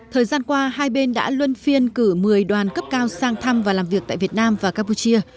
thời gian qua hai bên đã luân phiên cử một mươi đoàn cấp cao sang thăm và làm việc tại việt nam và campuchia